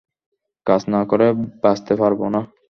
কাজ না করে বাঁচতে পারব না।